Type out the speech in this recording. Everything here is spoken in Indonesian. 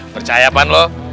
percaya pan lo